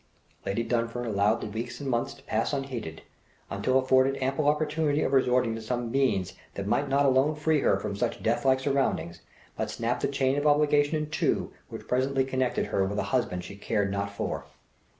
Lady Dunfern allowed the weeks and months to pass unheeded until afforded ample opportunity of resorting to some means that might not alone free her from such death like surroundings, but snap the chain of obligation in two which presently connected her with a husband she cared not for.